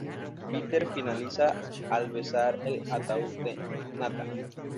Peter finaliza al besar el ataúd de Nathan.